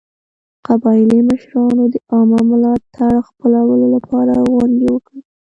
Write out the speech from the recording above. قبایلي مشرانو د عامه ملاتړ خپلولو لپاره غونډې وکړې.